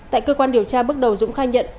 tại cơ quan điều tra bước đầu dũng khai nhận